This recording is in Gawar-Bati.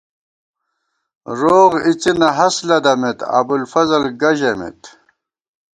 روغ اِڅِنہ ہست لدَمېت ، ابُوالفضل گہ ژَمېت